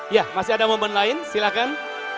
ya masih ada momen lain silakan